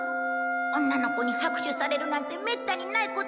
女の子に拍手されるなんてめったにないことだもんね